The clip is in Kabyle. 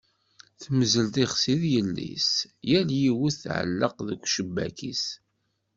Temmzel tixsi d yelli-s, yal yiwet tɛelleq seg ucekkab-is.